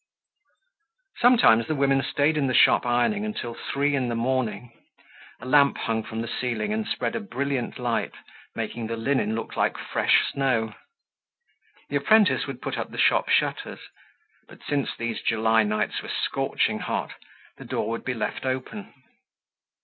Sometimes the women stayed in the shop ironing until three in the morning. A lamp hung from the ceiling and spread a brilliant light making the linen look like fresh snow. The apprentice would put up the shop shutters, but since these July nights were scorching hot, the door would be left open.